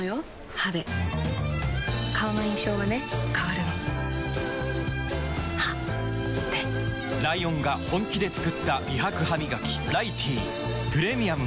歯で顔の印象はね変わるの歯でライオンが本気で作った美白ハミガキ「ライティー」プレミアムも